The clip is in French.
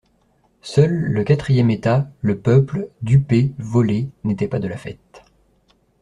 Seul, le quatrième état, le peuple, dupé, volé, n'était pas de la fête.